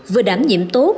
vừa đảm nhiệm tốt